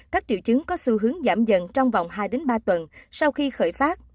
các triệu chứng có xu hướng giảm dần trong vòng hai ba tuần sau khi khởi phát